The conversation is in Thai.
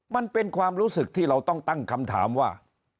มันเป็นความรู้สึกที่เราต้องตั้งคำถามว่า